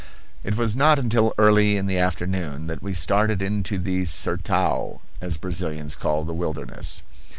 It was not until early in the afternoon that we started into the "sertao,"[*] as Brazilians call the wilderness.